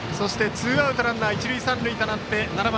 ツーアウトランナー、一塁三塁となって７番